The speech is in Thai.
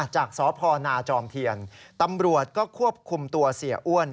จากสพนาจอมเทียนตำรวจก็ควบคุมตัวเสียอ้วน